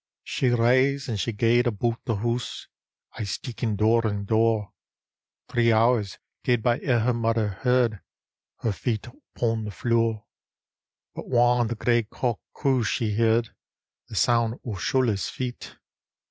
She rase and she gaed but die hoose. Aye steekin' door and door, Three hours gaed by ere her mother heard Her fit upo' the flure. But whan the grey cock crew she heard The soun' o' shoeless feet.